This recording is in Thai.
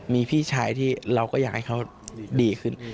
มีพี่ชายที่เราก็อยากให้เขาดีขึ้น